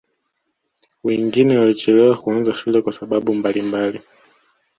wengine walichelewa kuanza shule kwa sababu mbalimbali